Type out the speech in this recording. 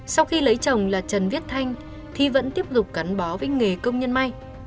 sau khi lấy chồng là trần viết thanh thi vẫn tiếp tục cắn bó với nghề công nhân may